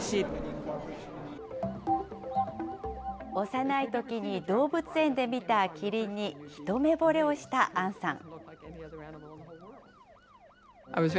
幼いときに動物園で見たキリンに一目ぼれをしたアンさん。